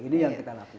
ini yang kita lakukan